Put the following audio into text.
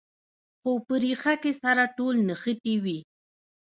خو په ریښه کې سره ټول نښتي وي.